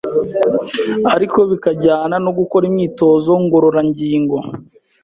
ariko bikajyana no gukora imyitozo ngororangingo